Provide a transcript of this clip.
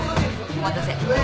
お待たせ。